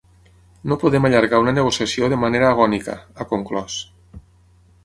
“No podem allargar una negociació de manera agònica”, ha conclòs.